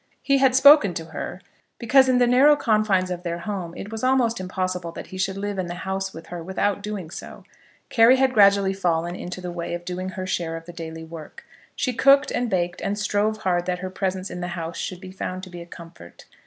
He had spoken to her, because in the narrow confines of their home it was almost impossible that he should live in the house with her without doing so. Carry had gradually fallen into the way of doing her share of the daily work. She cooked, and baked, and strove hard that her presence in the house should be found to be a comfort.